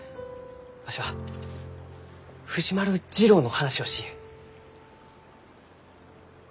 わしは藤丸次郎の話をしゆう。